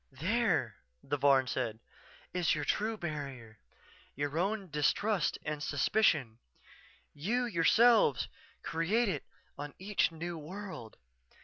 "There," the Varn said, "_is your true barrier your own distrust and suspicion. You, yourselves, create it on each new world.